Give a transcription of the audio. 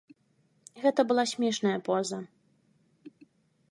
Гэта была смешная поза.